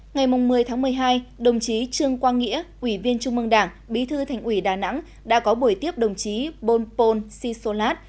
ngày một mươi tháng một mươi hai đồng chí trương quang nghĩa ủy viên trung mương đảng bí thư thành ủy đà nẵng đã có buổi tiếp đồng chí bonpon sisolat